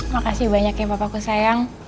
makasih banyak ya bapakku sayang